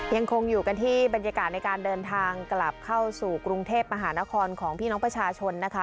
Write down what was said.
ยังคงอยู่กันที่บรรยากาศในการเดินทางกลับเข้าสู่กรุงเทพมหานครของพี่น้องประชาชนนะคะ